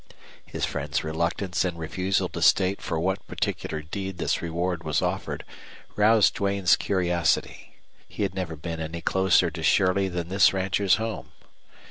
His friend's reluctance and refusal to state for what particular deed this reward was offered roused Duane's curiosity. He had never been any closer to Shirley than this rancher's home.